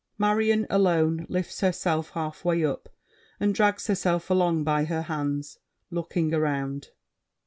MARION (alone, lifts herself half way up, and drags herself along by her hands: looking around.)